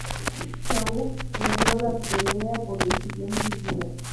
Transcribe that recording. Schaub perdió la pelea por decisión dividida.